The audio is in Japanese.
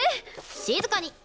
静かに！